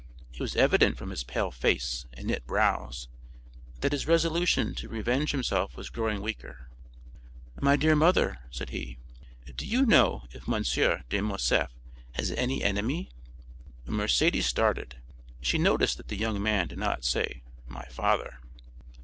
It was evident from his pale face and knit brows that his resolution to revenge himself was growing weaker. "My dear mother," said he, "do you know if M. de Morcerf has any enemy?" Mercédès started; she noticed that the young man did not say "my father."